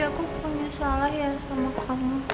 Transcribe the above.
aku punya salah ya sama kamu